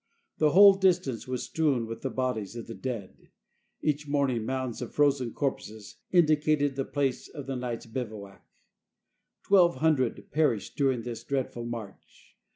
The whole distance was strewn with the bodies of the dead. Each morning mounds of frozen corpses indicated the places of the night's bivouac. Twelve hundred perished during this dreadful march.